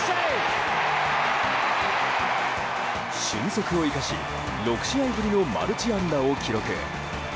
俊足を生かし６試合ぶりのマルチ安打を記録。